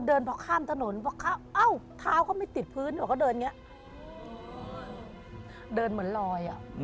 เดินเพราะข้ามถนนเอ้าท้าวเข้าไม่ติดพื้นเดินเหมือนรอย